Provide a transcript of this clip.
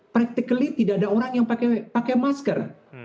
practically tidak ada orang yang pakai masker